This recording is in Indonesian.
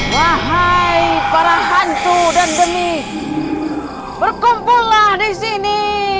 wahai para hantu dan demit berkumpulah di sini